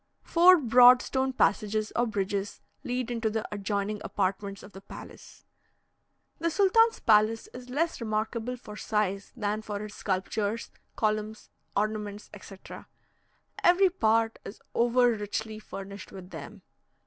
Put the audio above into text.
Four broad stone passages or bridges lead into the adjoining apartments of the palace. The sultan's palace is less remarkable for size than for its sculptures, columns, ornaments, etc. Every part is over richly furnished with them.